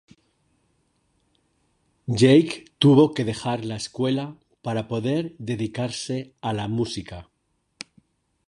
Jake tuvo que dejar la escuela para poder dedicarse a la música.